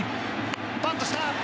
バントした。